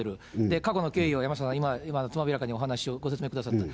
過去の経緯を山下さん、今、つまびらかにお話し、ご説明してくださってる。